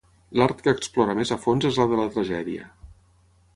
L'art que explora més a fons és la de la tragèdia.